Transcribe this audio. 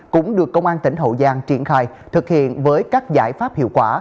cũng được công an tỉnh hậu giang triển khai thực hiện với các giải pháp hiệu quả